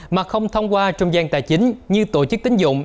mà không thông qua trung gian tài chính như tổ chức tính dụng